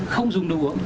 không dùng đường ngoài